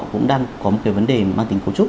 cũng đang có một cái vấn đề mang tính cấu trúc